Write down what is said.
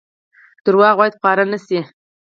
دروغ باید خپاره نشي